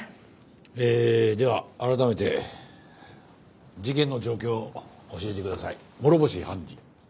えーでは改めて事件の状況を教えてください諸星判事。